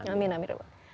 amin ya allah